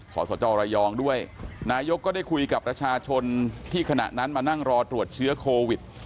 สสจระยองด้วยนายกก็ได้คุยกับประชาชนที่ขณะนั้นมานั่งรอตรวจเชื้อโควิด